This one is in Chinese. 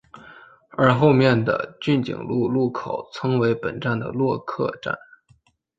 而后面的骏景路路口曾为本站的落客站。